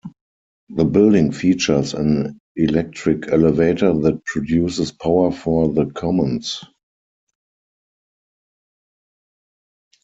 The building features an electric elevator that produces power for the commons.